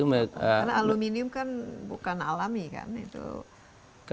karena aluminium kan bukan alami kan